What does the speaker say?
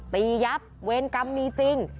ยับเวรกรรมมีจริง